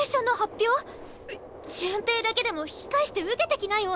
潤平だけでも引き返して受けてきなよ。